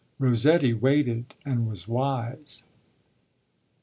Rossetti waited, and was wise.